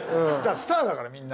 スターだからみんな。